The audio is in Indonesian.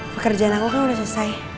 pekerjaan aku kan udah selesai